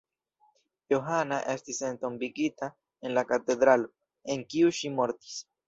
Johana estis entombigita en la katedralo, en kiu ŝi mortis.